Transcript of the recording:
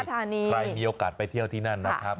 ใครมีโอกาสไปเที่ยวที่นั่นนะครับ